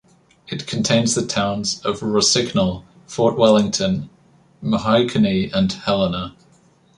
It contains the towns of Rosignol, Fort Wellington, Mahaicony and Helena.